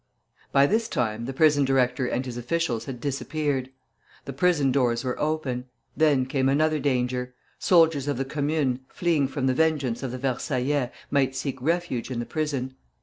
By this time the prison director and his officials had disappeared. The prison doors were open. Then came another danger: soldiers of the Commune, fleeing from the vengeance of the Versaillais, might seek refuge in the prison.